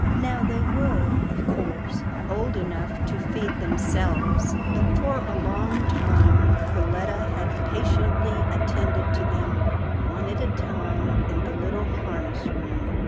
Now they were, of course, old enough to feed them selves, but for a long time, Perletta had patiently attended to them one at a time in the little har ness room.